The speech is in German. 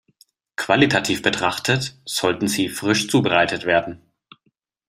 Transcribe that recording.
Qualitativ betrachtet, sollten sie frisch zubereitet werden.